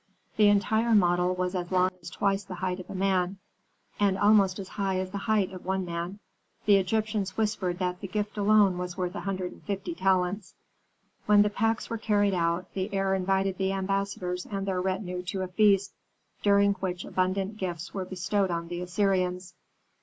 The entire model was as long as twice the height of a man, and almost as high as the height of one man. The Egyptians whispered that that gift alone was worth a hundred and fifty talents. When the packs were carried out, the heir invited the ambassadors and their retinue to a feast, during which abundant gifts were bestowed on the Assyrians.